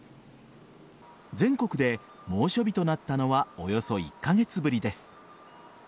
全国で猛暑日となったのはおよそ１カ月ぶりです。